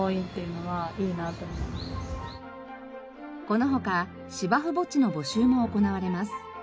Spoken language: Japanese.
このほか芝生墓地の募集も行われます。